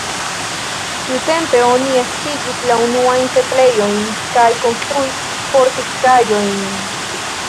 Tiutempe oni estigis la unuajn setlejojn kaj konstruis fortikaĵojn.